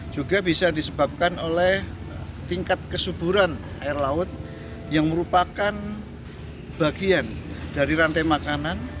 juga bisa disebabkan oleh tingkat kesuburan air laut yang merupakan bagian dari rantai makanan